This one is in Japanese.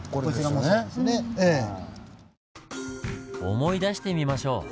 思い出してみましょう。